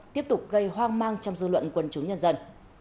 tiếp tục gây hoang mang trong dư luận quân chúng nhân dân